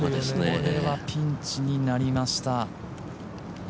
これはピンチになりました。